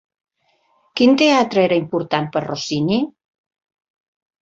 Quin teatre era important per Rossini?